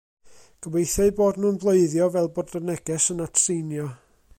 Gobeithio eu bod nhw'n bloeddio fel bod y neges yn atseinio.